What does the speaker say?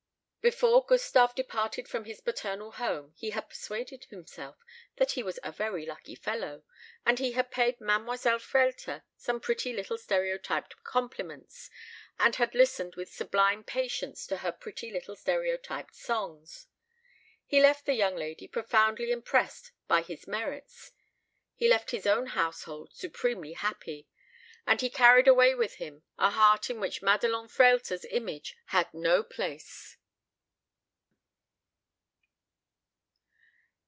Before Gustave departed from his paternal home he had persuaded himself that he was a very lucky fellow; and he had paid Mademoiselle Frehlter some pretty little stereotyped compliments, and had listened with sublime patience to her pretty little stereotyped songs. He left the young lady profoundly impressed by his merits; he left his own household supremely happy; and he carried away with him a heart in which Madelon Frehlter's image had no place.